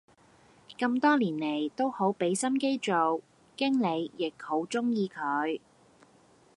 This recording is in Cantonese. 咁多年黎都好俾心機做，經理亦好鍾意佢